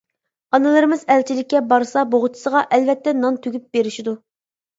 ئانىلىرىمىز ئەلچىلىككە بارسا بوغچىسىغا، ئەلۋەتتە، نان تۈگۈپ بېرىشىدۇ.